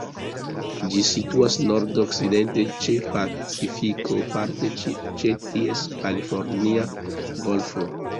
Ĝi situas nordokcidente ĉe Pacifiko, parte ĉe ties Kalifornia Golfo.